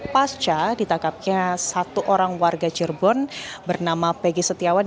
pasca ditangkapnya satu orang warga cirebon bernama peggy setiawan